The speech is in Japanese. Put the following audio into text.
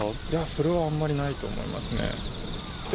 それはあんまりないと思いますね。